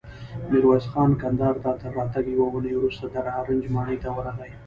ميرويس خان کندهار ته تر راتګ يوه اوونۍ وروسته د نارنج ماڼۍ ته ورغی.